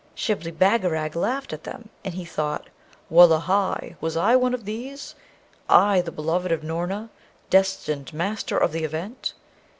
Shibli Bagarag laughed at them, and he thought, 'Wullahy! was I one of these? I, the beloved of Noorna, destined Master of the Event!'